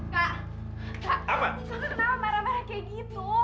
karena marah marah kayak gitu